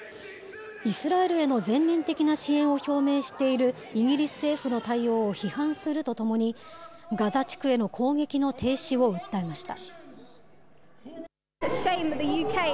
イスラエルへの全面的な支援を表明しているイギリス政府の対応を批判するとともに、ガザ地区への攻撃の停止を訴えました。